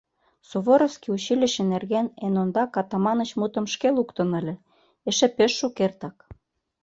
— Суворовский училище нерген эн ондак Атаманыч мутым шке луктын ыле, эше пеш шукертак.